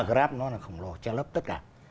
grab nó là khổng lồ che lấp tất cả